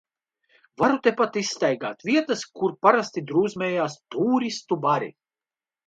Varu tepat izstaigāt vietas, kur parasti drūzmējās tūristu bari.